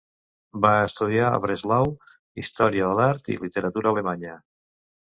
Va estudiar a Breslau història de l'art i literatura alemanya.